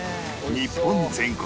日本全国